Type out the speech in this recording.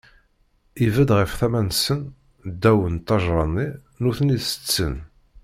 Ibedd ɣer tama-nsen, ddaw n ṭṭajṛa-nni, nutni tetten.